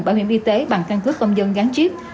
bảo hiểm y tế bằng căn cứ công dân gắn chip